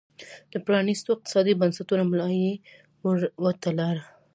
د پرانیستو اقتصادي بنسټونو ملا یې ور وتړله.